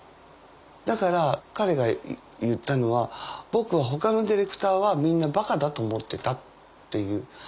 だから彼が言ったのは「僕はほかのディレクターはみんなバカだと思ってた」っていう。